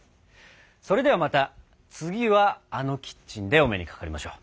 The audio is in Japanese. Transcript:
それではまた次はあのキッチンでお目にかかりましょう。